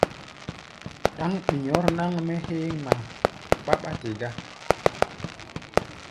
Ɗáŋ ɓi̧ɔ̧r náŋ-mɛ́ héé ŋma ɓáɓá te gá.